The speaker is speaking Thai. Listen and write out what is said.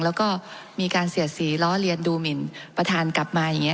แล้วก็มีการเสียดสีล้อเลียนดูหมินประธานกลับมาอย่างนี้